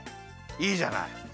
いいじゃない。